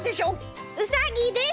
うさぎです！